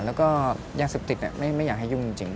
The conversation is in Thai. แล้วก็ยาเสพติดไม่อยากให้ยุ่งจริง